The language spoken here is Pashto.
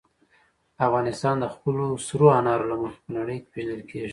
افغانستان د خپلو سرو انارو له مخې په نړۍ کې پېژندل کېږي.